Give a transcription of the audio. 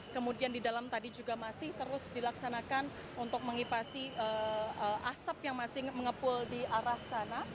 kemudian di dalam tadi juga masih terus dilaksanakan untuk mengipasi asap yang masih mengepul di arah sana